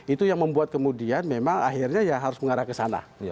itu yang membuat kemudian memang akhirnya ya harus mengarah ke sana